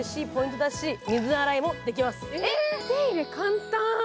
お手入れ簡単！